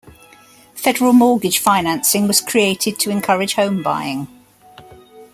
Federal mortgage financing was created to encourage home buying.